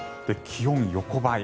気温、横ばい。